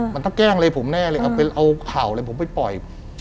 มันต้องแกล้งเลยผมแน่เลยเอาข่าวเลยผมไปปล่อย